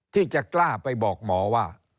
ที่จะกล้าไปบอกหมอว่า